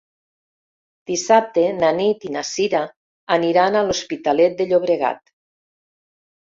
Dissabte na Nit i na Sira aniran a l'Hospitalet de Llobregat.